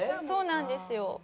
そうなんですよ。